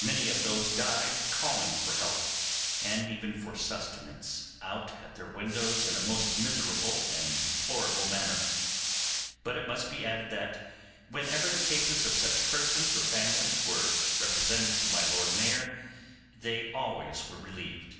Many of those died calling for help, and even for sustenance, out at their windows in a most miserable and deplorable manner; but it must be added that whenever the cases of such persons or families were represented to my Lord Mayor they always were relieved.